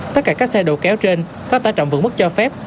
tất cả các xe đầu kéo trên có tài trọng vững mức cho phép